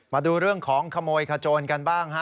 มาดูเรื่องของขโมยขโจนกันบ้างฮะ